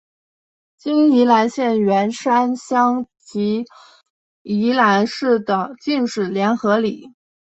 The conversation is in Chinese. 今宜兰县员山乡及宜兰市的进士联合里。